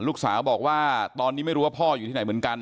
ลูกสาวบอกว่าตอนนี้ไม่รู้ว่าพ่ออยู่ที่ไหนเหมือนกัน